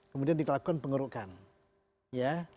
kemudian dilakukan pengerukan ya